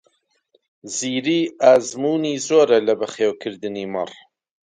زیری ئەزموونی زۆرە لە بەخێوکردنی مەڕ.